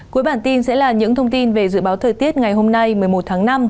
cuối bản tin sẽ là những thông tin về dự báo thời tiết ngày hôm nay một mươi một tháng năm